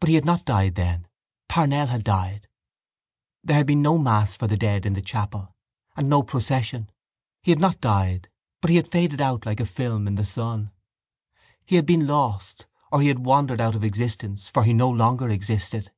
But he had not died then. Parnell had died. There had been no mass for the dead in the chapel and no procession. He had not died but he had faded out like a film in the sun. He had been lost or had wandered out of existence for he no longer existed.